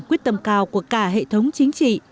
quyết tâm cao của cả hệ thống chính trị